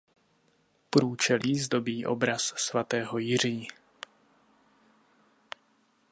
Průčelí zdobí obraz svatého Jiří.